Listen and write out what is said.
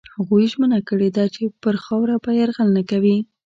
هغوی ژمنه کړې ده پر خاوره به یرغل نه کوي.